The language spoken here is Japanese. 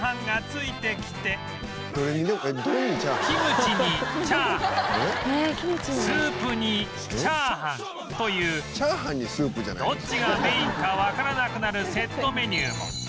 キムチにチャーハンスープにチャーハンというどっちがメインかわからなくなるセットメニューも